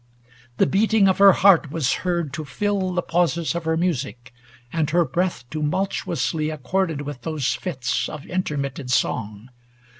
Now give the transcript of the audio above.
The beating of her heart was heard to fill The pauses of her music, and her breath Tumultuously accorded with those fits 171 Of intermitted song.